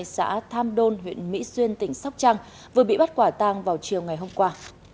xã tham đôn huyện mỹ xuyên tỉnh sóc trăng vừa bị bắt quả tang vào chiều ngày hôm qua